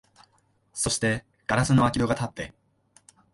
そして硝子の開き戸がたって、